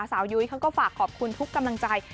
ยุ้ยเขาก็ฝากขอบคุณทุกกำลังใจ